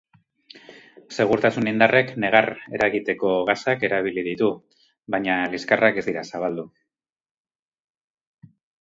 Segurtasun indarrek negar eragiteko gasak erabili ditu, baina liskarrak ez dira zabaldu.